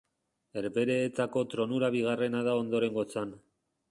Herbehereetako tronura bigarrena da ondorengotzan.